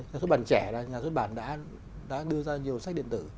nhà sốt bản trẻ nhà sốt bản đã đưa ra nhiều sách điện tử